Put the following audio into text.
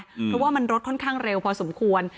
เพราะว่ามันรถค่อนข้างเร็วพอสมควร